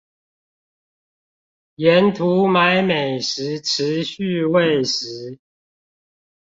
沿途買美食持續餵食